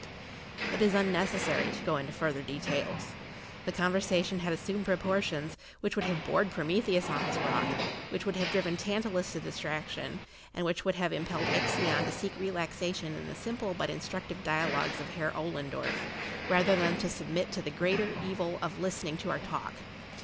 It is unnecessary to go into further details. The conversation had assumed proportions which would have bored Prometheus on his rock, which would have driven Tantalus to distraction, and which would have impelled Ixion to seek relaxation in the simple but instructive dialogues of Herr Ollendorff, rather than submit to the greater evil of listening to our talk.